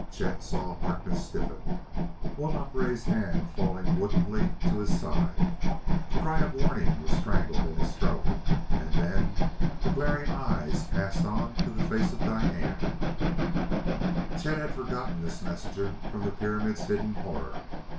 Chet saw Harkness stiffen, one upraised hand falling woodenly to his side; a cry of warning was strangled in his throat, and then the glaring eyes passed on to the face of Diane. Chet had forgotten this messenger from the pyramid's hidden horror.